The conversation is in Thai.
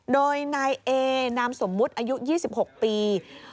โดยนายเอนามสมมุติอายุ๒๖ปี